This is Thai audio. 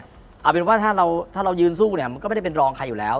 เอาเป็นว่าถ้าเรายืนสู้เนี่ยมันก็ไม่ได้เป็นรองใครอยู่แล้ว